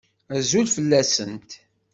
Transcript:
Azul fell-asent.